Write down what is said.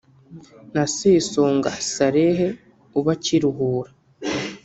na Sesonga Saleh uba Kiruhura